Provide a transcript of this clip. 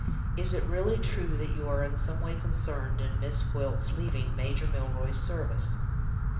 Is it really true that you are in some way concerned in Miss Gwilt's leaving Major Milroy's service?"